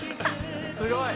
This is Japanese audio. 「すごい！」